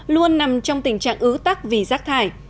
luôn nằm trong tình trạng ứ tắc vì rác thải